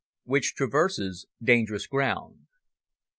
WHICH TRAVERSES DANGEROUS GROUND.